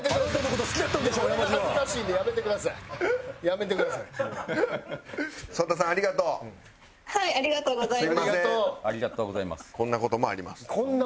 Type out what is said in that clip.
こんな事もあります。